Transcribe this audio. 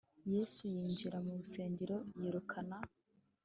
yesu yinjira mu rusengero yirukana